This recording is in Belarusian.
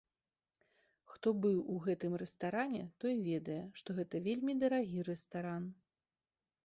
Хто быў у гэтым рэстаране, той ведае, што гэта вельмі дарагі рэстаран.